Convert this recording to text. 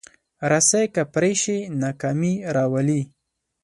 رسۍ که پرې شي، ناکامي راولي.